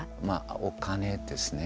お金ですね。